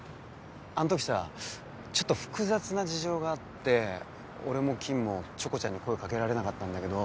あんときさちょっと複雑な事情があって俺もキンもチョコちゃんに声掛けられなかったんだけど。